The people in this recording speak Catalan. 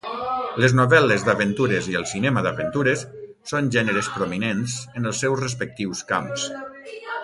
Les novel·les d'aventures i el cinema d'aventures són gèneres prominents en els seus respectius camps.